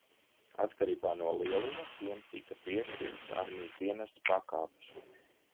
Atkarībā no lieluma, tiem tika piešķirtas armijas dienesta pakāpes.